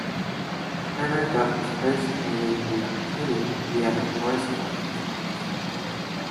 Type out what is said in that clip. Turner got his first training in cartooning via a correspondence course.